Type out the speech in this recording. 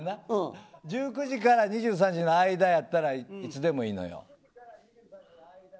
１９時から２３時の間やったらいつでもいいのよ。